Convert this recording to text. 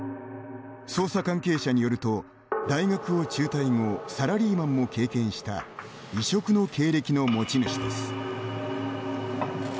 捜査関係者によると大学を中退後、サラリーマンも経験した異色の経歴の持ち主です。